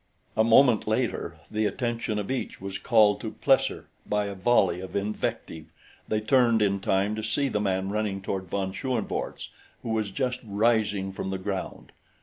A moment later the attention of each was called to Plesser by a volley of invective. They turned in time to see the man running toward von Schoenvorts who was just rising from the ground.